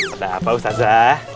ada apa ustazah